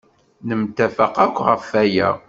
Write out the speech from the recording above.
Nemtafaq akk ɣef waya.